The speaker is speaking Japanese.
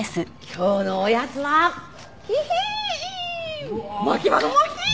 今日のおやつはヒヒン！